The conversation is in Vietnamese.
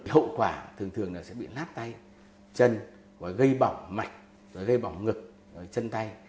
hậu quả thường thường là sẽ bị lát tay chân gây bỏng mạch gây bỏng ngực chân tay